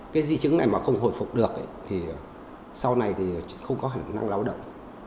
cái di chứng này mà không hồi phục được thì sau này thì không có khả năng lao động